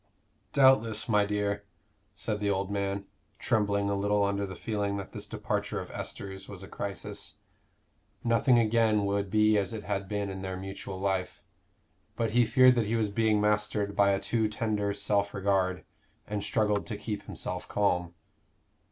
"Doubtless, my dear," said the old man, trembling a little under the feeling that this departure of Esther's was a crisis. Nothing again would be as it had been in their mutual life. But he feared that he was being mastered by a too tender self regard, and struggled to keep himself calm.